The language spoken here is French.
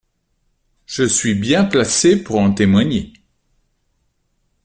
Je suis bien placée pour en témoigner.